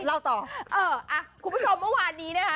เล่าต่อเอออ่ะคุณผู้ชมเมื่อวานนี้นะคะ